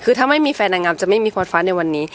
คือถ้าไม่มีแฟนนางงามจะไม่มีโค้ดฟ้าในวันนี้